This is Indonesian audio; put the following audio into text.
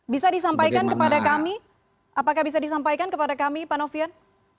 bisa disampaikan kepada kami apakah bisa disampaikan kepada kami pak novian